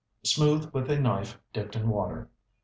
Smooth with a knife dipped in water.